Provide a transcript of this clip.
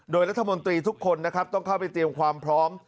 โดยรัฐมนตรีทุกคนนะครับต้องเข้าไปเตรียมความพร้อม